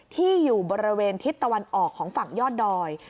ที่อยู่บริเวณทิศตะวันออกของฝั่งยอดดอย